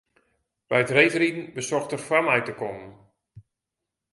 By it reedriden besocht er foar my te kommen.